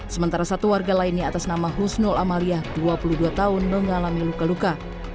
sementara satu warga lainnya atas nama husnul amalia dua puluh dua tahun mengalami luka luka